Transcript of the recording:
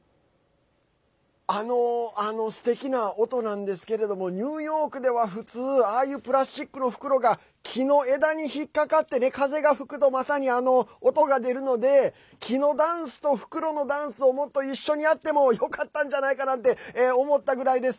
あのすてきな音なんですけれども、ニューヨークでは普通、ああいうプラスチックの袋が木の枝に引っ掛かって風が吹くとまさに、あの音が出るので木のダンスと袋のダンスをもっと一緒にやってもよかったんじゃないかなって思ったぐらいです。